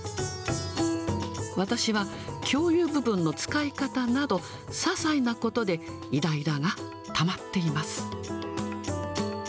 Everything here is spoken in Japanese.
私は共有部分の使い方など、ささいなことでいらいらがたまっています。